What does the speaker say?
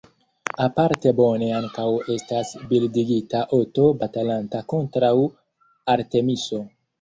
Aparte bone ankaŭ estas bildigita "Oto batalanta kontraŭ Artemiso".